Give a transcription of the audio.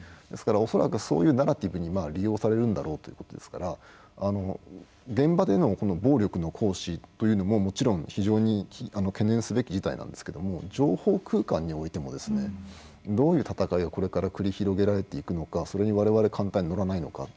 ですから恐らくそういうナラティブに利用されるんだろうということですから現場での暴力の行使というのももちろん非常に懸念すべき事態なんでしょうけど情報空間においてもどういう戦いがこれから繰り広げられていくのかそれに我々は簡単に乗らないのか。